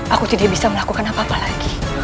aku tidak bisa melakukan apa apa lagi